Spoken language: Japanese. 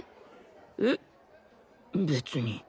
えっ別に。